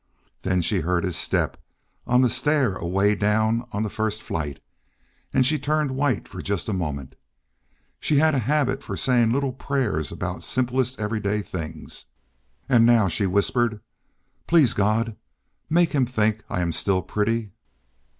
Then she heard his step on the stair away down on the first flight, and she turned white for just a moment. She had a habit for saying little silent prayers about the simplest everyday things, and now she whispered: "Please God, make him think I am still pretty."